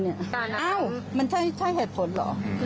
อ้าวมันใช่เหตุผลเหรอ